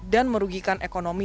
dan merugikan ekonomi